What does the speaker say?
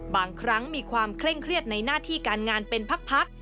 บางครั้งมีความเคร่งเครียดในหน้าที่การงานเป็นพัก